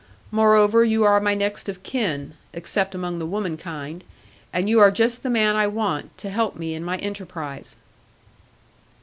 Moreover, you are my next of kin, except among the womankind; and you are just the man I want, to help me in my enterprise.'